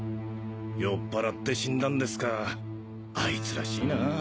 酔っ払って死んだんですかあいつらしいなぁ。